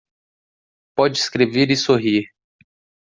Pode escrever e sorrir